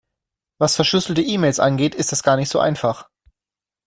Was verschlüsselte E-Mails angeht, ist das gar nicht so einfach.